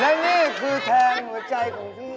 และนี่คือแทนหัวใจของพี่